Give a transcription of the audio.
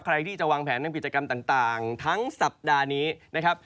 ใครที่จะวางแผนทำกิจกรรมต่างทั้งสัปดาห์นี้นะครับ